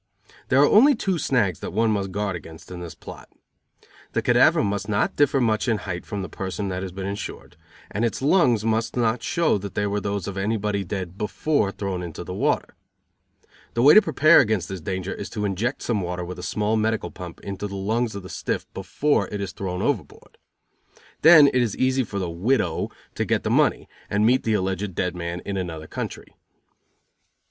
There are only two snags that one must guard against in this plot. The cadaver must not differ much in height from the person that has been insured; and its lungs must not show that they were those of anybody dead before thrown into the water. The way to prepare against this danger is to inject some water with a small medical pump into the lungs of the stiff before it is thrown overboard. Then it is easy for the "widow" to get the money, and meet the alleged dead man in another country.